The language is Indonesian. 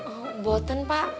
oh buatan pak